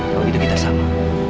kalau gitu kita sama